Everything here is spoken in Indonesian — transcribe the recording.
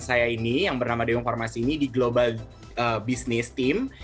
saya ini yang bernama deung farmasi ini di global business team